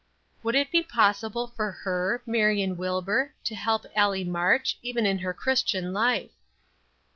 "Would it not be possible for her, Marion Wilbur, to help Allie March, even in her Christian life!"